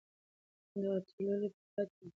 دا اتلولي به پاتې وي.